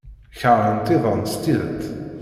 Keṛhent iḍan s tidet.